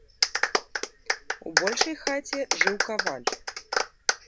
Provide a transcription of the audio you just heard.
У большай хаце жыў каваль.